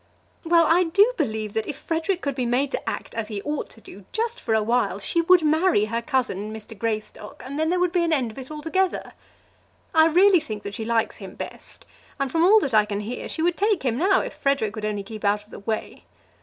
"Well; I do believe that if Frederic could be made to act as he ought to do, just for a while, she would marry her cousin, Mr. Greystock, and then there would be an end of it altogether. I really think that she likes him best, and from all that I can hear, she would take him now, if Frederic would only keep out of the way.